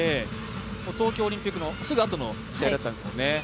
東京オリンピックのすぐあとの試合だったですもんね。